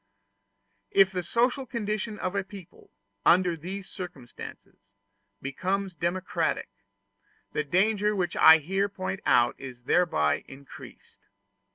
If the social condition of a people, under these circumstances, becomes democratic, the danger which I here point out is thereby increased.